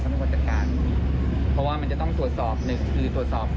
ไม่ควรจัดการเพราะว่ามันจะต้องตรวจสอบหนึ่งคือตรวจสอบ